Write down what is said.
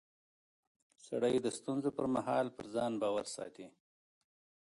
سړی د ستونزو پر مهال پر ځان باور ساتي